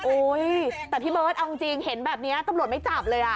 แต่พี่เบิร์ตเอาจริงเห็นแบบนี้ตำรวจไม่จับเลยอ่ะ